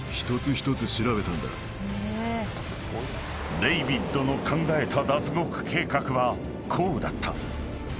［デイビッドの考えた脱獄計画はこうだった］